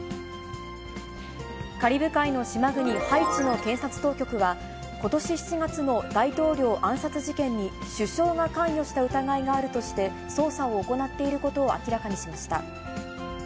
カリブ海の島国ハイチの検察当局は、ことし７月の大統領暗殺事件に首相が関与した疑いがあるとして、捜査を行っていることを明らかにしました。